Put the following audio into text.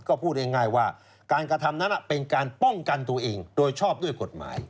ก็พูดง่ายว่าการกระทำนั้นเป็นการป้องกันตัวเองโดยชอบด้วยกฎหมาย